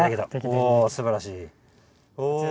おすばらしい！